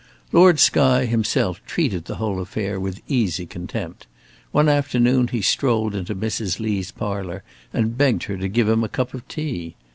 Lord Skye himself treated the whole affair with easy contempt. One afternoon he strolled into Mrs. Lee's parlour and begged her to give him a cup of tea.